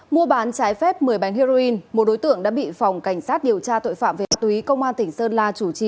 mua bán trái phép một mươi bánh heroin một đối tượng đã bị phòng cảnh sát điều tra tội phạm về ma túy công an tỉnh sơn la chủ trì